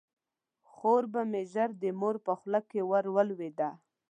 خور به مې ژر د مور په خوله کې ور ولویده.